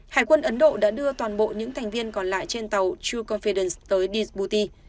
hải quân ấn độ đã đưa toàn bộ những thành viên còn lại trên tàu true confidence tới dbouti